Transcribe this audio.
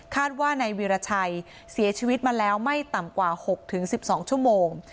ว่านายวีรชัยเสียชีวิตมาแล้วไม่ต่ำกว่า๖๑๒ชั่วโมง